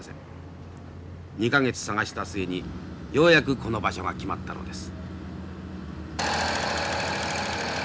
２か月探した末にようやくこの場所が決まったのです。